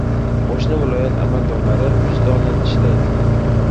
– qo‘shni viloyat amaldorlari vijdonan ishlaydi.